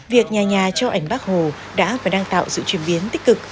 việc nhà nhà cho ảnh bác hồ đã và đang tạo sự chuyển biến tích cực